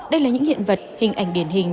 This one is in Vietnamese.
đây là những hiện vật hình ảnh điển hình